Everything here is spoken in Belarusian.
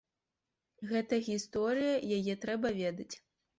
Гэта гісторыя, яе трэба ведаць.